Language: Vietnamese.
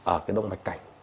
ở cái động mạch cảnh